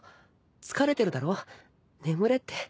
疲れてるだろ眠れって。